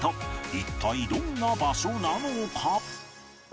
一体どんな場所なのか？